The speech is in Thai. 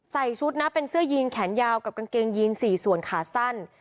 ใส่ชุดนะเป็นเสื้อยีนแขนยาวกับกางเกงยีน๔ส่วนขาสั้น